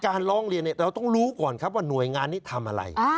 ร้องเรียนเราต้องรู้ก่อนครับว่าหน่วยงานนี้ทำอะไร